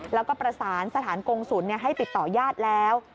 แล้วก็ประสานสถานกงศูนย์ให้ติดต่อญาติแล้ว